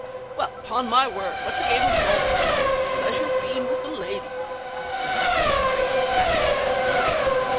"Well, upon my word, what's a game of golf compared with the pleasure of being with the ladies?" asked the Major, with a great fat bow.